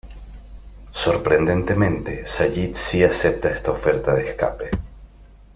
Sorprendentemente Sayid sí acepta esta oferta de escape.